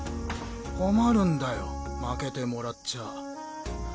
困るんだよ負けてもらっちゃ。